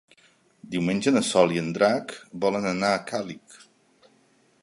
Diumenge na Sol i en Drac volen anar a Càlig.